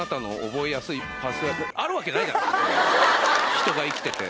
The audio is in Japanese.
人が生きてて。